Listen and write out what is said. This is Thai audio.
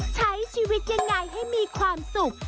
ใช้ชีวิตยังไงให้มีความสุข